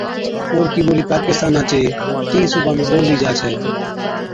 اوڏڪِي ٻولِي پاڪستانا چي تِينهِين صُوبان ۾ ٻوللِي جا ڇَي